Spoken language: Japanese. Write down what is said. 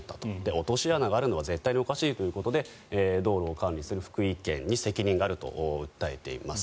落とし穴があるのは絶対におかしいということで道路を管理する福井県に責任があると訴えています。